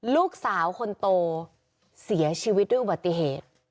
ลูกสาวคนโตเสียชีวิตด้วยอุบัติเหตุ